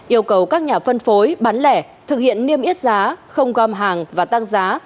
yêu cầu các nhà phân phối bán lẻ thực hiện niêm yết giá không gom hàng và tăng giá